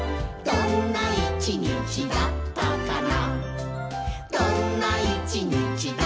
「どんな一日だったかな」